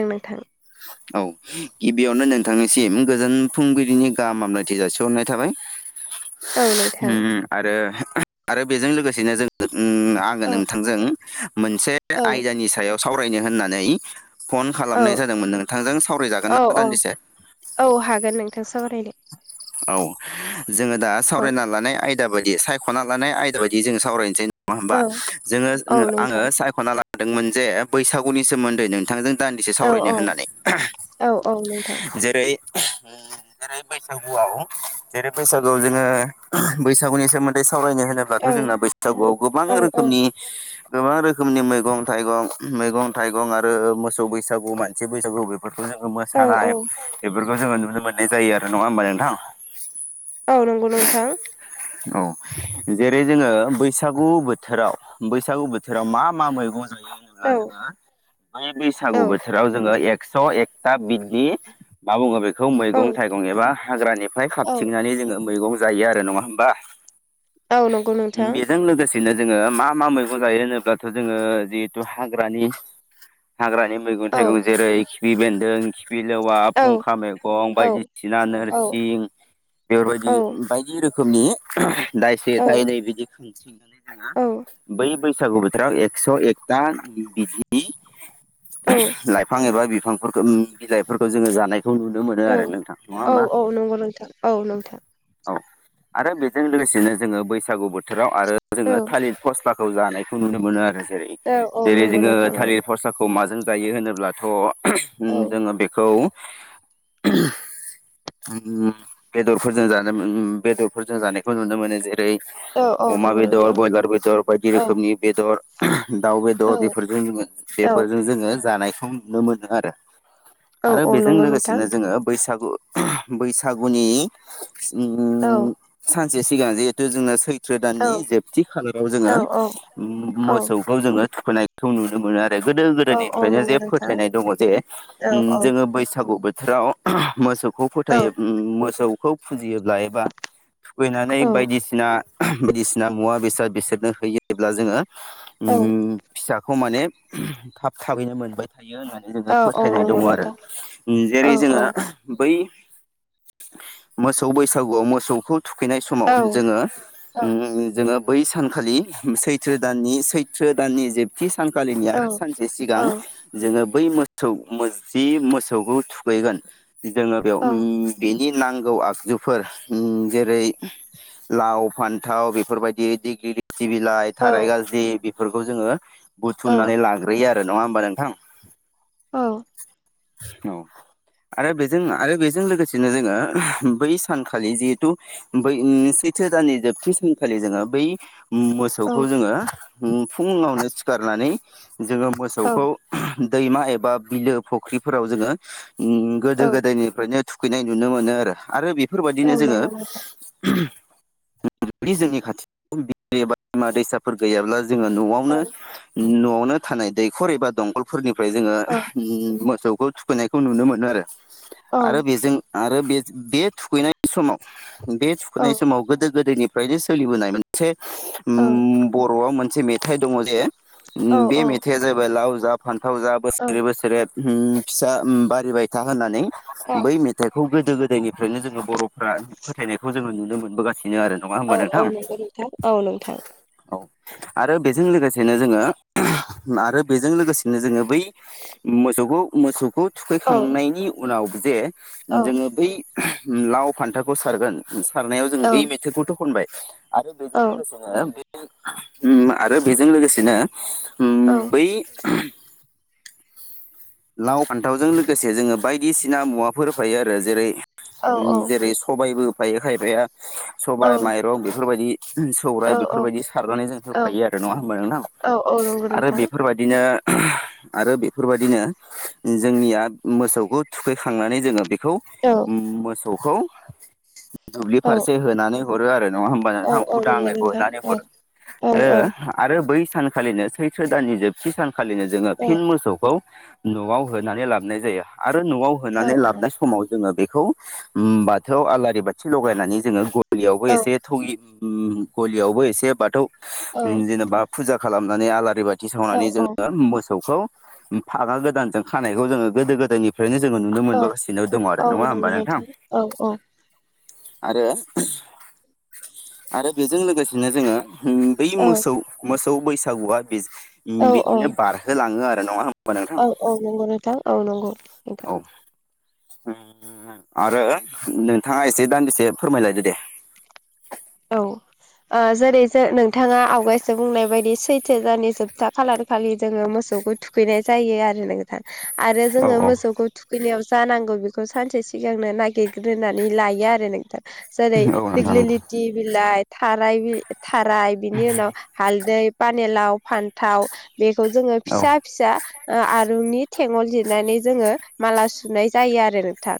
ओं नोंथां। औ गिबियावनो नोंथांनिसिम गोजोन फुंबिलिनि गाहाम हामलायथि जासिहरनाय थाबाय। [inaudible] नोंथां उम आरो आरो बेजों लोगोसेनो जों उम आङो औ नोंथांजों मोनसे औ आयदानि सायाव सावरायनो होननानै फन औ खालामनाय जादोंमोन नोंथांजों सावरायजागोन औ ना औ दान्दिसे। औ हागोन नोंथां सावरायनो औ जोङो दा औ सावरायना लानाय आयदा बायदि सायखना लानाय आयदा बायदि जों सावरायनोसै। नङा होमबा औ जोङो औ आङो नोंथां सायखना लादोंमोन जे बैसागुनि सोमोन्दै नोंथांजों दान्दिसे औ सावरायनो औ होननानै औ औ नोंथां। जेरै उम जेरै बैसागुआव जेरै बैसागुआव जोङो बैसागुनि सोमोन्दै सावरायनो होनो ब्लाथ औ जोंना बैसागुआव गोबां औ रोखोमनि गोबां रोखोमनि मैगं थाइगं मैगं थाइगं आरो मोसौ बैसागु मानसि बैसागु बेफोरखौ जोङो औ औ मोसानाय बेफोरखौ जोङो नुनो मोननाय जायो आरो नङा होमबा नोंथां। औ नंगौ नोंथां औ जेरै जोङो बैसागु बोथोराव बैसागु बोथोराव मा मा मैगं जायो ब्ला औ जोङो बै औ बैसागु बोथोराव जोङो एकस एकथा बिददि मा बुङो बेखौ औ मैगं थाइगं एबा हाग्रानिफ्राय औ खाबथिंनानै जोङो मैगं जायो आरो नङा हमबा औ नंगौ नोंथां बेजों लोगोसे बिदिनो जोङो मा मा मैगं जायो होनोब्लाथ जोङो जिहेथु हाग्रानि हाग्रानि मैगं औ थाइगं जेरै खिफि बेन्दों फिलेवा औ फुंखा मैगं औ बायदिसिना औ नोरसिं। बेफोरबायदि बायदि रोखोमनि दायसे औ दायनै बिदि खांथिंनानै औ बै बैसागु बोथोराव एकस' एकथा बि लाइफां एबा बिफांफोरखौ बिलाइफोरखौ जोङो जानाय खौ नुनो मोनो आरो नोंथां नङा औ होमबा? औ नंगौ नोंथां औ नोंथां औ आरो बेजों लोगोसेनो जोङो बैसागु बोथोराव आरो औ जोङो थालिर फस्लाखौ जानायखौ नुनो मोनो आरो जेरै औ औ जेरै नंगौ जोङो नोंथां थालिर औ खरसाखौ माजों जायो होनोब्लाथ' उम जोङो बेखौ [unintelligible] उ बेदरफोरजों जानो बेदरफोरजों जानायखौ नुनो मोनो जे ओै औ औ अमा नंगौ बेदर नोंथां ब्रयलार बेदर बायदि औ रोखोमनि बेदर। दाउ औ बेदर बेफोरजों जोङो औ बेफोरजों जोङो जानायखौ नुनो मोनो आरो। औ आरो औ बेजों नंगौ नोंथां लोगोसेनो जोङो बैसागु बैसागुनि औ उम सानसे सिगां जिहेथु जोंङो सो औ सोदाननि जेबथि खालाराव औ जोङो औ औ मोसौखौ जोङो थुखोनायखौ नुनो मोनो आरो। गोदो औ औ गोदनिफ्रायनो नंगौ जे नोंथां फोथायनाय दङ जे औ औ जोङो बैसागु बोथोराव मोसौखौ औ फोथायो मोसौखौ फुजियोब्ला एबा थुुखैनानै औ बायदिसिना बायदिसिना मुवा बेसाद बेसोरनो होयोब्ला जोङो। औ फिसाखौ माने थाब थाबैनो मोनबाय थायो होननानै जों औ औ फोथायनाय नंगौ दङ आरो नोंथां उम औ जेरै औ जोङो बै मोसौ बैसागुआव मोसौखौ थुखैनाय समाव औ जोङो उम जोङो बै सानखालि सैथो दाननि सैथ्रो दाननि जे थि सानखालिनि औ आरो सानसे औ सिगां जोङो बै मो मोसौ जि मोसौखौ थुखैगोन जोङो बेयाव बे नि नांगौ आगजुफोर जेरै लाव फान्थाव बेफोरबायदि दि बिलाइ। औ थाराय गाज्रि बेफोरखौ जोङो बुथुमनानै लाग्रोयो आरो नङा होमबा नोंथां? औ औ आरो बेजों आरो बेजों लोगोसेनो जोङो बै सानखालि जिहेथु बै सैथो दाननि जोबथि सानखालि जोङो बै मोसौखौ जोङो फुङावनो सिखारनानै जोङो औ मोसौखौ औ नंगौ नोंथां औ दैमा एबा बिलो फुख्रिफोराव जोङो गोदो गोदायनिफ्रायनो थुखैनाय नुनो मोनो आरो आरो औ बेफोरबायदिनो जोङो नंगौ नोंथां जुदि जोंनि खाथियाव बि एबा बिमा दैसाफोर गैयाब्ला जोङो औ न'आवनो नोंथां औ न'आवनो थानाय दैखर एबा दंखलफोरनिफ्राय जोङो अ। मोसौखौ थुखैनायखौ नुनो मोनो औ आरो-आरो बेजों आरो बे-बे थुखैनाय बे समाव बे औ सुखुनाय समाव गोदो गोदायनिफ्रायनो सोलिबोनाय मोनसे औ बर'आव मोनसे मेथाइ दङ जे बे औ मेथाइआ जाबाय लाव जा फान्थाव जा औ बोसोरे बोसोरे फिसा बारिबाय था होननानै बै मेथाइखौ गोदो गोदायनिफ्रायनो जोङो बर'फ्रा फोथायनायखौ जोङो नुनो मोनबोगासिनो आरो। नङा होमबा औ औ नोंथां? नंगौ औ आरो बेजों लोगोसेनो जोङो आरो बेजों लोगोसेनो जोङो बै मोसौखौ मोसौखौ थुखैखांनायनि उनाव जे जोङो बै लाव फान्थावखौ सारगोन सारनायाव जों बेै मेथाइखौथ' खनबाय आरो बेजों लोगोसेनो बे उम्म आरो बेजों लोगोसेनो उम्म बै लाव फान्थावजों लोगोसे जोङो बायदिसिना मुवाफोर होफायो आरो जेरै जेरै सबायबो होफायो खायफाया। सबायाइ माइरं बेफोरबायदि सौराइ बेफोरबायदि सारनानै जों होफायो आरो नङा ह होनबा नोंनाौ? औ औ नंगौ नोंथां। बिदिनो आरो बेफोरबादिनो जोंनिया मोसौखौ थुखैखांनानै जोङो बेखौ औ मो-मोसौखौ दुब्लि औ फारसे होनानै हरो आरो नङा होमबा औ नोंथां औ नंगौ उदाङै नोंथां होनानै औ हरो औ आरो औ आरो बै सानखालिनो सैथो दाननि जोबथि सानखालिनो जोङो औ फिन मोसौखौ न'आव होनानै लाबनाय जायो आरो न'आव औ होनानै लाबनाय समाव जोङो बेखौ उम्म [unintelligible] आलारि बाथि लगायनानै जोङो गलियावबो औ एसे थगि गलियावबो एसे बाथौ उम्म जेनेबा फुजा खालामनानै आलारि बाथि थि औ सावनानै औ जोङो मोसौखौ फागा गोदानजों खानायखौ जोङो गोदो गोदायनि [unintelligible] जोङो नुनोमोनबोगासिनो दङ आरो औ नङा होमबा नंगौ नोंथां? औ औ। आरो आरो बिजों लोगोसेनो जोङो उम्म बै औ मोसौ मोसौ बैसागुआ बिज औ बिदिनो बारहोलाङो आरो नङा होमबा नोंथां? औ औ नंगौ नोंथां औ नंगौ। नोंथां औ। उम्म आरो नोंथाङा एसे दानदिसे फोरमायलायदो दे। औ। ओ जेरै जो नोंथाङा आवगायसो बुंनाय बायदि सैथो दाननि जोबथा खालारखालि जोङो मोसौखो थु खैनाय जायो आरो नोंथां आरो औ जोङो मोसौखौ थु खैनायाव जानांगौ बेखौ सानसे सिगांनो नागिरग्रोनानै लायो आरो नोंथां। जेरै औ नोंथां दिग्लि नंगौ लिथि बिलाइ थाराय बि थाराय बिनि उनाव हालदै पानेलाव फान्थाव बेखौ जोङो औ फिसा फिसा ओ आरुनि थेंगल जिरनानै जोङो माला सुनाय जायो आरो नोंथां।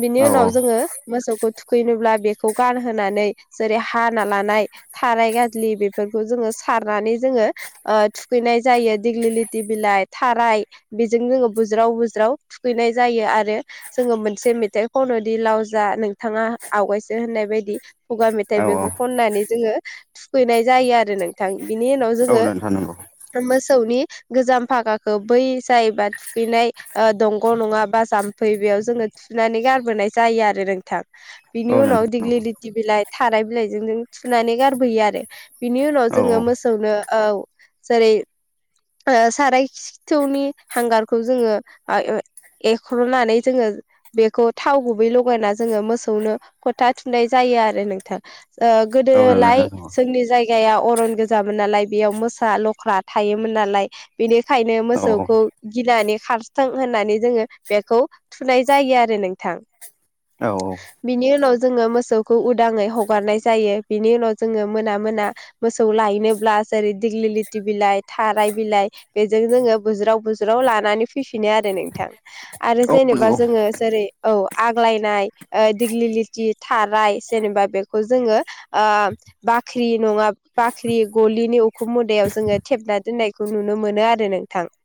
बिनि औ उनाव जोङो मोसौखौ थुखैनोब्ला बेखौ गानहोनानै जेरै हाना लानाय थाराय गाज्लि बेफोरखौ जोङो सारनानै जोङो ओ थुखैनाय जायो दिग्लि लिथि बिलाइ थाराय बेजों जोङो बुज्राव बुज्राव थुखैनाय जायो आरो जोङो मोनसे मेथाइ खननो दि लाव जा नोंथाङा आवगायसो होननाय बायदि खुगा [unintelligible] औ बेखौ खननानै जोङो थुखैनाय जायो आरो नोंथां बिनि उनाव औ जोङो नोंथां नंगौ मोसौनि गोजाम फागाखौ बै जायोबा थुखैनाय ओ दंग' नङा बा जाम्फै बेयाव जोङो सुनानै गारबोनाय जायो आरो नोंथां। बिनि औ उनाव नोंथां दिग्लि नंगौ लिथि बिलाइ थाराय बिलाइजों जों थुनानै गारबोयो आरो। बिनि उनाव औ जोङो औ मोसौनो औ जेरै ओ साराय खिथौनि हांगारखौ जोङो आ ए-एख्रु'नानै जोङो बेखौ थाव गुबै लगायना जोङो मोसौनो फोथा थुनाय जायो आरो नों ओ औ नंगौ गोदोलाय नोंथां नंगौ जोंनि जायगा गाया अरन गोजामोन नालाय बेयाव मोसा लख्रा थायोमोन नालाय। बेनिखायनो औ मोसौखौ गिनानै खार थों होननानै जोङो बेखौ थुखैनाय जायो आरो नोंथां औ बिनि उनाव जोङो मोसौखौ उदाङै हगारनाय जायो बिनि उनाव जोङो मोना मोना मोसौ लायनोब्ला जेरै दिग्लि लिथि बिलाइ थाराय बिलाइ बेजों जोङो बुज्राव बुज्राव लानानै फैफिनो आरो नोंथां आरो औ जेनेबा नंगौ जोङो जेरै औ आग्लायनाय ओ दिग्लिलिथि थाराय जेनेबा बेखौ जोङो ओ बाख्रि नङा बाख्रि गलिनि उखुम मुदायाव जोङो थेबना दोननायखौ नुनो मोनो आरो नोंथां [inaudible]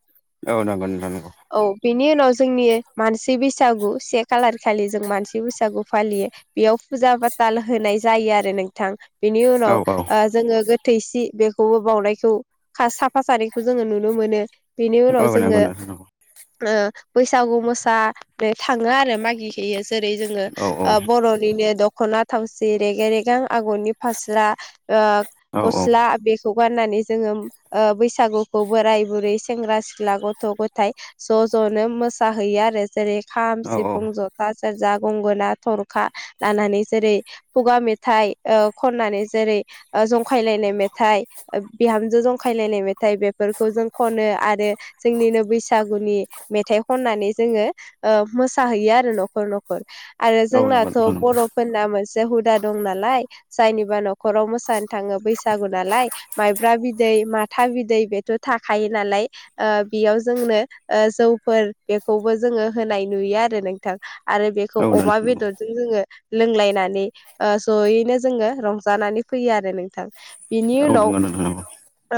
औ नंगौ नोंथां नंगौ। औ बेनि उनाव जोंनि मानसि बैसागु से खालार खालि जों मानसि बैसागु फालियो। बेयाव फुजा फाथाल होनाय जायो आरो नोंथां बेनि औ उनाव औ ओ जोङो थैसि बेखौबो बावनायखौ खा साफा सानैखौ जोङो नुनो मोनो। बेनि उनाव औ नंगौ जोङो नोंथां नंगौ ओ बैसागु मोसानो थाङो आरो मागि गेयो जेरै जोङो औ ओ बर'निनो दख'ना थावसि [unintelligible] रेगे रेगां आगरनि फास्रा ओ औ गसला बे खौ गाननानै जोङो ओ बैसागुखौ बोराय बुरै सेंग्रा सिख्ला गथ' गथाय ज' ज'नो मोसाहैयो आरो जेरै खाम, औ सिफुं, जथा, सेरजा, गंगोना, थरखा लानानै जेरै खुगा मेथाइ ओ खननानै जेरै जंखायलायनाय मेथाइ ओ बिहामजो जंखायलायनाय मेथाइ बेफोरखौ जों खनो आरो जोंनिनो बैसागुनि मेथाइ खननानै जोङो ओ मोसाहैयो आरो न'खर न'खर आरो औ नंगौ जोंनाथ' नोंथां नंगौ बर'फोरना मोनसे बे हुदा दं नालाय जायनिबा न'खराव मोसानो थाङो बैसागु नालाय माइब्रा बिदै माथा बिदै बेथ' थाखायो नालाय ओ बेयाव जोंनो जौफोर बेखौबो जोङो होनाय नुयो आरो नोंथां आरो औ बेखौ अमा नोंथां नंगौ बेदरजों जोङो लोंलायनानै ओ जयैनो जोङो रंजानानै फैयो आरो नोंथां बिनि औ उनाव नंगौ नोंथां नंगौ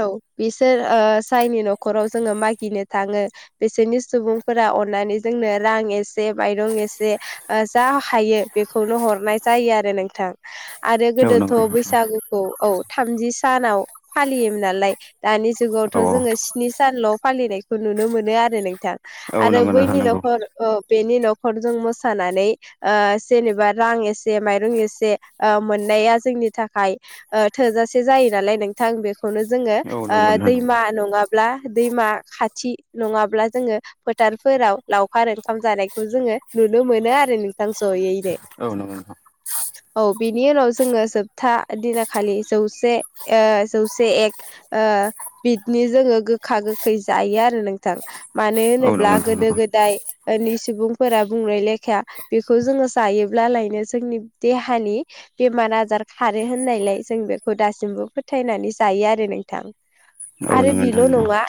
औ बिसोर ओ जायनि न'खराव जोङो मागिनो थाङो बिसोरनि सुबुंफोरा अननानै जोंनो रां एसे माइरं एसे ओ जा हायो बेखौनो हरनाय जायो आरो नोंथां आरो औ गोदोथ' नंगौ बैसागुखौ औ थामजि सानाव फालियोमोन नालाय दानि औ जुगावथ' जोङो स्नि सानल' फालिनायखौ नुनो मोनो आरो नोंथां औ आरो नंगौ नोंथां बैनि नंगौ न'खर औ बेनि न'खरजों मोसानानै ओ जेनेबा रां एसे माइ जों एसे ओ‌ मोननाया जोंनि थाखाय ओ थोजासे जायो नालाय नोंथां बेखौनो जोङो औ ओ नंगौ नोंथां नंगौ दैमा नङाब्ला दैमा खाथि नङाब्ला जोङो फोथारफोराव लावखार ओंखाम जानायखौ जोङो नुनो मोनो आरो नोंथां जयैनो औ नंगौ नोंथां औ बिनि उनाव जोङो जोबथा दिनाखालि जौसे ओ जौसे एक ओ बिदिनो जोङो गोखा गोखै जायो आरो नोंथां मानो औ होनोब्ला नंगौ नोंथां गोदो नंगौ गोदाय नि सुबुंफोरा बुंनाय लेखाया बेखौ जोङो जायोब्लालायनो जोंनि देहानि बेमार आजार खारो होननायलाय जों बेखौ दासिमबो फोथायनानै जायो आरो नोंथां औ नंगौ नोंथां नंगौ औ नंगौ नोंथां नंगौ औ नंगौ नोंथां नंगौ औ आरो नंगौ बेल' नोंथां नंगौ नङा औ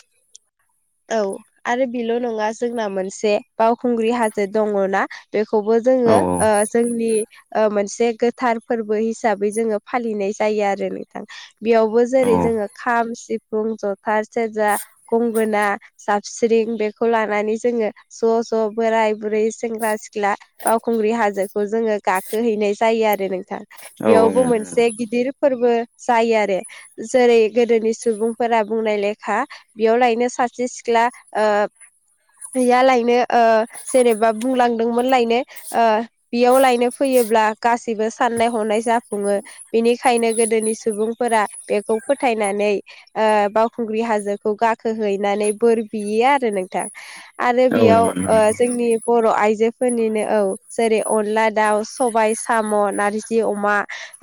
औ आरो बेल' नङा जोंना मोनसे बावखुंग्रि हाजो दङ ना बेखौबो जोङो औ ओ जोंनि ओ मोनसे गोथार फोरबो हिसाबै जोङो फालिनाय जायो आरो नोंथां बेयावबो जेरै जोङो खाम सिफुं जथा सेरजा गंगोना जाबस्रिं बेखौ लानानै जोङो ज' ज' बोराय, बुरै, सेंग्रा, सिख्ला बावखुंग्रि हाजोखौ जोङो गाखोहैनाय जायो आरो नोंथां। बेयावबो मोनसे गिदिर फोरबो जायो आरो जेरै गोदोनि सुबुंफोरा बुंनाय लेखा बेयाव लायनो सासे सिख्ला ओ गैया लायनो ओ जेनेबा बुंलांदोंमोन लायनो ओ बेयाव लायनो फैयोब्ला गासैबो साननाय हनाय जाफुङो। बेनिखायनो गोदोनि सुबुंफोरा बेखौ फोथायनानै ओ‌बावखुंग्रि हाजोखौ गाखोहैनानै बोर बियो आरो नोंथां आरो बेयाव ओ जोंनि बर' आइजोफोरनिनो औ जेरै अनला दाउ सबाय साम' नारजि अमा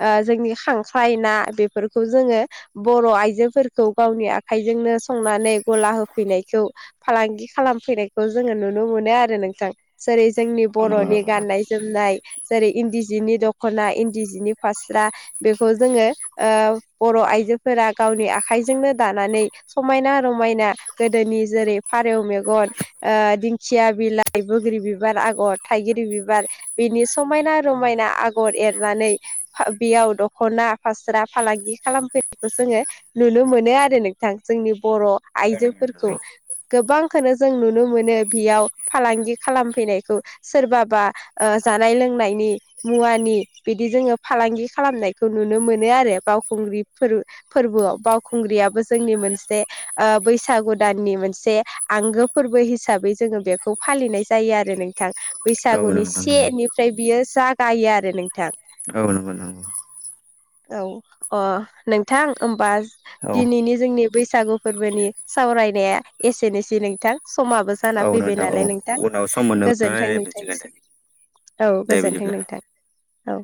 ओ जोंनि खांख्राइ ना बेफोरखौ जोङो बर' आइजोफोरखौ गावनि आखाइजोंनो संनानै गला होफैनायखौ फालांगि खालामफैनायखौ जोङो नुनो मोनो आरो नोंथां जेरै जोंनि बर'नि गाननाय जोमनाय जेरै इन्दि जिनि दख'ना इन्दि जिनि फास्रा बेखौ जोङो ओ बर' आइजोफोरा गावनि आखाइजोंनो दानानै समायना -रमायना गोदोनि जेरै फारौ मेगन ओ दिंखिया बिलाइ, बोग्रि बिबार आगर, थाइगिर बिबार बिनि समायना -रमायना आगर एरनानै फा बेयाव दख'ना फास्रा फालांगि खालामफैखौ जोङो नुनो मोनो आरो नोंथां जोंनि बर' आइजोफोरखौ। गोबांखौनो जों नुनो मोनो बेयाव फालांगि खालामफैनायखौ सोरबाबा ओ जानाय लोंनायनि मुवानि बिदि जोङो फालांगि खालामनायखौ नुनो मोनो आरो बावखुंग्रिफोर फोरबोआव बावखुंग्रियाबो जोंनि मोनसे ओ बैसागु दाननि मोनसे आंगो फोरबो हिसाबै जोङो बेखौ फालिनाय जायो आरो नोंथां। बैसागुनि सेनिफ्राय बियो जागायो आरो नोंथां। औ नोंगौ नोंगौ औ अ नोंथां होमबा दिनैनि जोंनि बैसागु फोरबोनि सावरायनाया एसेनोसै नोंथां समाबो जाना फैबाय नोंथां औ नालाय नोंथां उनाव सम मोनोब्ला गोजोनथों रायलायफिनसिगोन दे नोंथांसिम औ दे गोजोनथों बिदिब्ला नोंथां। औ